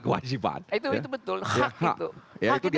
kewajiban itu betul hak itu